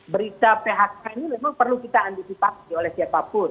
berita phk ini memang perlu kita antisipasi oleh siapapun